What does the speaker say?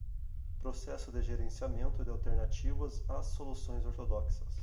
Processo de gerenciamento de alternativas às soluções ortodoxas